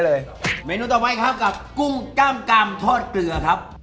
เลยต่อไปครับกุ้งกล้ามกรามทอดเกลือครับ